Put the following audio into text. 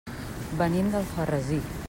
Venim d'Alfarrasí.